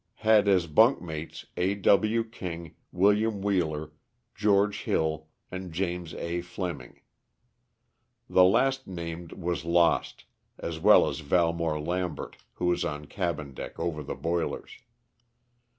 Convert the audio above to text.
Had as bunk mates A. W. King, Wm. Wheeler, George Hill and James A. Fleming. The last named was lost, as well as Valmore Lambert who was on cabin deck over the boilers.